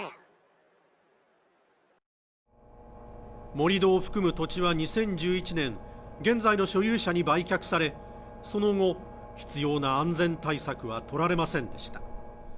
盛り土を含む土地は２０１１年現在の所有者に売却されその後必要な安全対策は取られませんでした